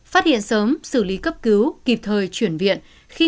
phát hiện sớm xử lý cấp cứu kịp thời chuyển viện